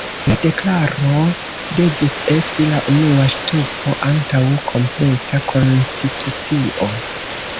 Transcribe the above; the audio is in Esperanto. La Deklaro devis esti la unua ŝtupo antaŭ kompleta konstitucio.